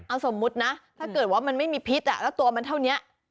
เอาสมมุตินะถ้าเกิดว่ามันไม่มีพิษแล้วตัวมันเท่านี้